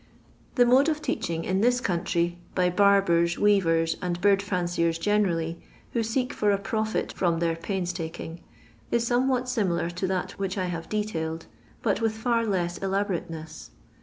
The mode of teaching in this country, by barbers, weavers, and bird fiinciers generally, who seek for a profit from their pains taking, is some* what similar to that which I have detailed, but with fitf less elaborateness.